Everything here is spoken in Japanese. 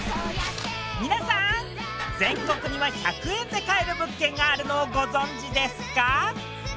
皆さん全国には１００円で買える物件があるのをご存じですか？